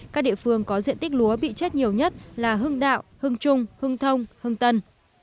các địa phương có diện tích lúa bị chết nhiều nhất là hưng đạo hưng trung hưng thông hưng tân